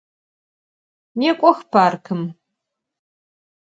Nêk'ox parkım!